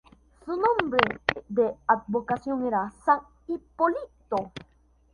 Su nombre de advocación era "San Hipólito".